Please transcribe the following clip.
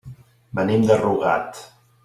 Venim de Rugat.